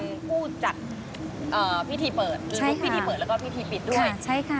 หรือลูกพิธีเปิดและพิธีปิดด้วย